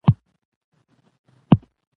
زه ممکن یوازی دا هفته دومره قوي حرکتونو